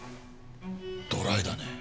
ドライだねえ。